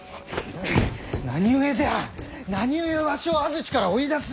何故じゃ何故わしを安土から追い出す！